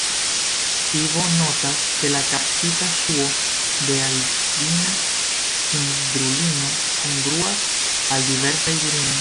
Ivo notas, ke la kaptita ŝuo de Aldina-Cindrulino kongruas al diversaj virinoj.